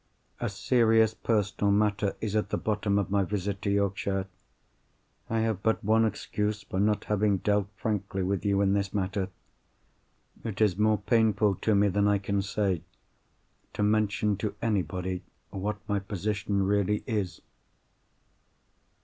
A serious personal matter is at the bottom of my visit to Yorkshire. I have but one excuse for not having dealt frankly with you in this matter. It is more painful to me than I can say, to mention to anybody what my position really is."